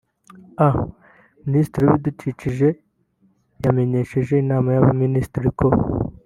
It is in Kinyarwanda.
a) Minisitiri w’Ibidukikije yamenyesheje Inama y’Abaminisitiri ko